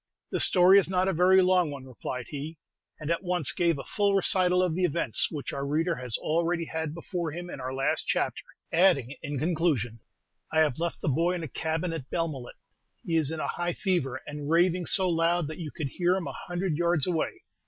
"The story is not a very long one," replied he; and at once gave a full recital of the events, which our reader has already had before him in our last chapter, adding, in conclusion, "I have left the boy in a cabin at Belmullet; he is in a high fever, and raving so loud that you could hear him a hundred yards away.